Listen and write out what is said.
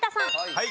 はい。